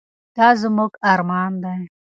دا زموږ ارمان دی.